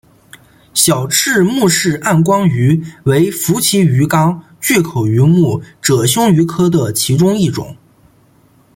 小翅穆氏暗光鱼为辐鳍鱼纲巨口鱼目褶胸鱼科的其中一种。